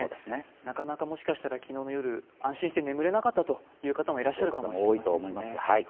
なかなか、もしかしたら昨日の夜、安心して眠れなかったという方も多いかもしれません。